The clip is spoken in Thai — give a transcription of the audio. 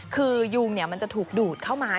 คือยุงมันจะถูกดูดเข้ามา